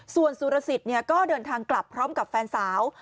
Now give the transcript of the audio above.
ส่วนสุรสิทธิ์ก็เดินทางกลับพร้อมกับแฟนสาว